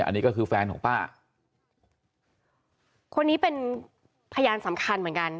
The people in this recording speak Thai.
อันนี้ก็คือแฟนของป้าคนนี้เป็นพยานสำคัญเหมือนกัน